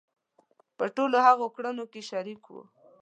په ټولو هغو کړنو کې شریک وو.